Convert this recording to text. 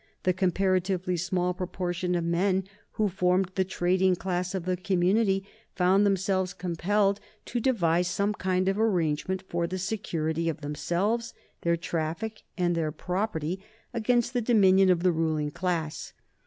The comparatively small proportion of men who formed the trading class of the community found themselves compelled to devise some kind of arrangement for the security of themselves, their traffic, and their property against the dominion of the ruling class.